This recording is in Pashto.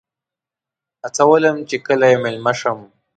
هڅولم چې کله یې میلمه شم.